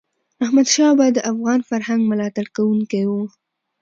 احمدشاه بابا د افغان فرهنګ ملاتړ کوونکی و.